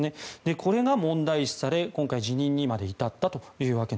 これが問題視され今回、辞任にまで至ったと。